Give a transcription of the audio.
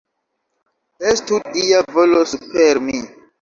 Estu Dia volo super mi!